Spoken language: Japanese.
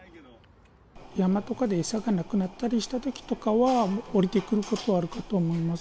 山とかで餌がなくなったりしたときとかは、下りてくることはあるかとは思います。